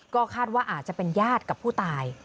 ก็คาดว่าอาจจะเป็นญาติกับผู้ตาย